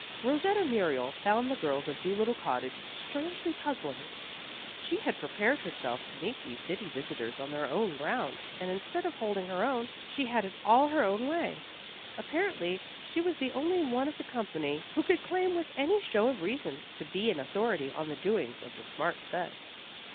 Rosetta Muriel found the girls of Dolittle Cottage strangely puzzling. She had prepared herself to meet these city visitors on their own ground, and instead of holding her own, she had it all her own way. Apparently she was the only one of the company who could claim with any show of reason, to be an authority on the doings of the smart set.